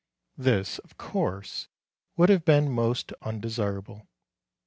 This, of course, would have been most undesirable.